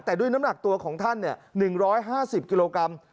แต่ด้วยน้ำหนักตัวของท่าน๑๕๐กิโลกรัม